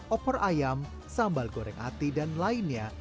opor ayam sambal goreng ati dan lainnya